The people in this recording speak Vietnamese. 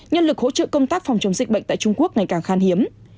nhân lực hỗ trợ công tác phòng chống dịch bệnh tại trung quốc ngày càng khan hiếm